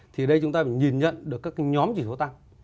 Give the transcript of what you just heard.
thì đây chúng ta phải nhìn nhận được các nhóm chỉ số tăng